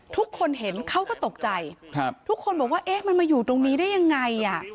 ทุกคนเห็นเขาก็ตกใจทุกคนบอกว่าเอ๊ะมันมาอยู่ตรงนี้ได้ยังไง